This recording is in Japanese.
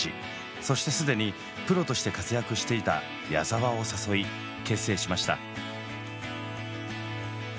そして既にプロとして活躍していた矢沢を誘い結成しました。